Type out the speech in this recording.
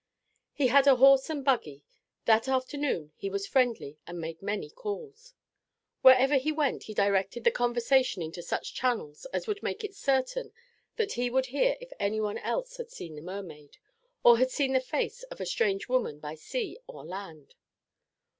He had a horse and buggy; that afternoon he was friendly, and made many calls. Wherever he went he directed the conversation into such channels as would make it certain that he would hear if anyone else had seen the mermaid, or had seen the face of a strange woman by sea or land.